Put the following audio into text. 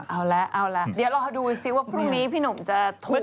เอาล่ะเดี๋ยวรอดูซิว่าพรุ่งนี้พี่หนุ่มจะถูกหรือเปล่า